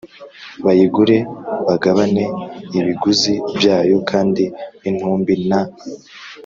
bayigure bagabane ibiguzi byayo kandi n intumbi na